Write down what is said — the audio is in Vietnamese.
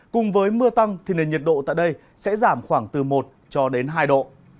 cùng với mưa tăng thì nền nhiệt độ tại đây sẽ giảm khoảng từ một hai độ